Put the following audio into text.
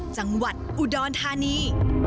จังหวัดอุดรธานี